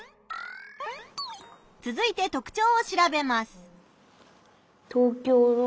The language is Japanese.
つづいて特徴を調べます。